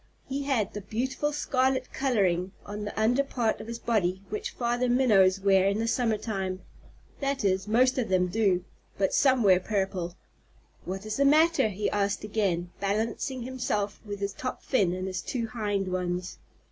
He had the beautiful scarlet coloring on the under part of his body which Father Minnows wear in the summer time. That is, most of them do, but some wear purple. "What is the matter?" he asked again, balancing himself with his top fin and his two hind ones.